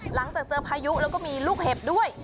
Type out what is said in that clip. หลังจากเจอพายุแล้วก็มีลูกเห็บด้วย